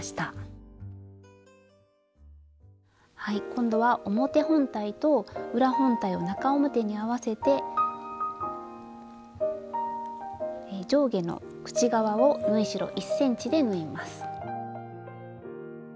今度は表本体と裏本体を中表に合わせて上下の口側を縫い代１ｃｍで縫います。